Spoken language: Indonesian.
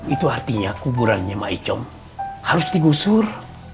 itu artinya kuburannya ma icom harus digusur